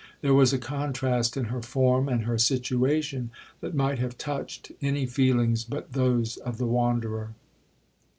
There was a contrast in her form and her situation, that might have touched any feelings but those of the wanderer.